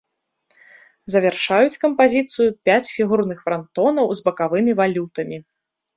Завяршаюць кампазіцыю пяць фігурных франтонаў з бакавымі валютамі.